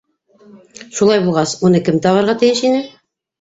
- Шулай булғас, уны кем тағырға тейеш ине?